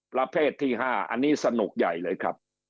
ประเภทที่๕อันนี้สนุกใหญ่เลยครับ